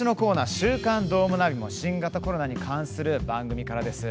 「週刊どーもナビ」も新型コロナに関する番組からです。